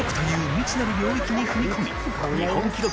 未知なる領域に踏み込み楜燭悗猟